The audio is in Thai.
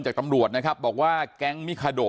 จากตำรวจนะครับบอกว่าแก๊งมิคาโด